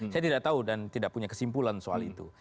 saya tidak tahu dan tidak punya kesimpulan soal itu